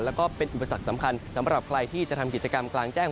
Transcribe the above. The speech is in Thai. แล้วก็เป็นอุปสรรคสำคัญสำหรับใครที่จะทำกิจกรรมกลางแจ้ง